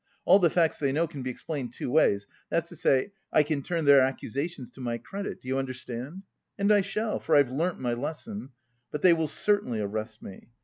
All the facts they know can be explained two ways, that's to say I can turn their accusations to my credit, do you understand? And I shall, for I've learnt my lesson. But they will certainly arrest me.